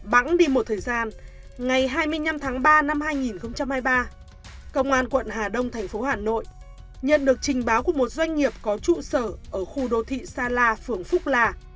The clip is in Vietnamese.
bão đi một thời gian ngày hai mươi năm tháng ba năm hai nghìn hai mươi ba công an quận hà đông thành phố hà nội nhận được trình báo của một doanh nghiệp có trụ sở ở khu đô thị sa la phường phúc la